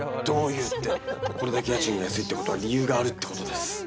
どういうってこれだけ家賃が安いってことは理由があるってことです。